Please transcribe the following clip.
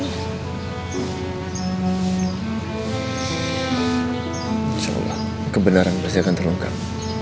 insya allah kebenaran pasti akan terungkap